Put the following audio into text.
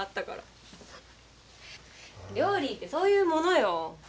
料理ってそういうものよ。